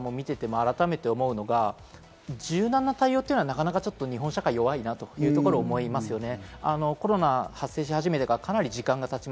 やはり、この案なんかも見ていても、改めて思うのが柔軟な対応というのはなかなか日本社会は弱いなというところを思いますね。